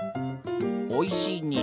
おいしいね。